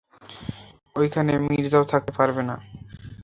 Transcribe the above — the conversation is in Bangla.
ঐখানে মির্জাও থাকতে পারবেনা।